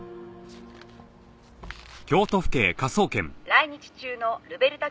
「来日中のルベルタ